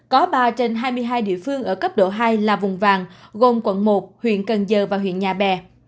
có ba trên hai mươi hai địa phương ở cấp độ hai là vùng vàng gồm quận một huyện cần giờ và huyện nhà bè